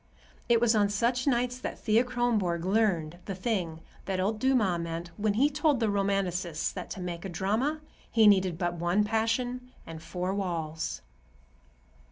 It was on such nights that Thea Kronborg learned the thing that old Dumas meant when he told the Romanticists that to make a drama he needed but one passion and four walls.